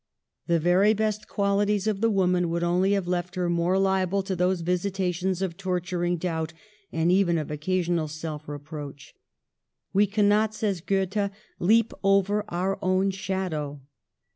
The very best quahties of the woman would only have left her more liable to those visitations of torturing doubt and even of occasional self reproach. We cannot, says Goethe, leap over our own shadow.